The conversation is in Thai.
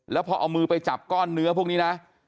แล้วพอเอามือไปจับก้อนเนื้อพวกนี้นะ